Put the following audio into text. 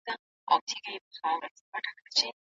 تربیه د ماشوم لپاره ډېره مهمه ده.